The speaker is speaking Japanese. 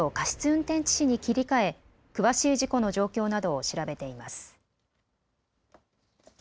運転致死に切り替え詳しい事故の状況などを調べています。